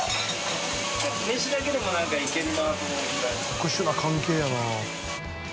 特殊な関係やな。